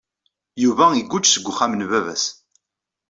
Yuba iguǧǧ seg uxxam n baba-s.